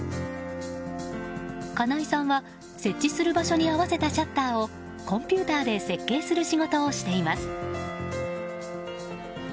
金井さんは設置する場所に合わせたシャッターを、コンピューターで設計する仕事をしています。